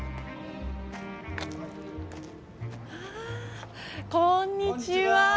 あこんにちは。